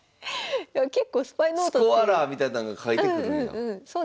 スコアラーみたいなんが書いてくるんや。